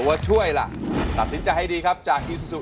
ตัวช่วยล่ะตัดสินใจให้ดีครับจากอีซู